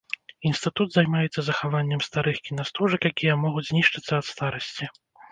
Інстытут займаецца захаваннем старых кінастужак, якія могуць знішчыцца ад старасці.